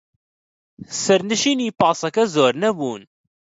سەرنشینی پاسەکە زۆر نەبوون.